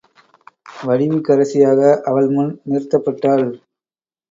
வடிவுக்கரசியாக அவள் முன் நிறுத்தப்பட்டாள்.